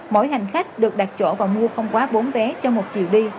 mỗi hành khách được đặt chỗ và mua không quá bốn vé cho một chiều đi